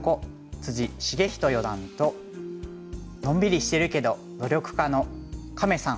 篤仁四段とのんびりしてるけど努力家の「カメさん」